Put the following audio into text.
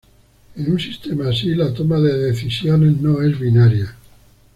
En un sistema así la toma de decisiones no es binaria.